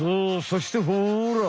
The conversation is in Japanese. そしてほら！